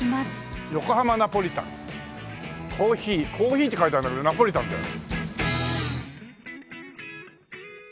「横浜ナポリタン」「珈琲」珈琲って書いてあるんだけどナポリタンだよ。